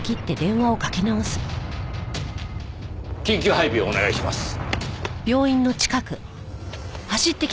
緊急配備をお願いします。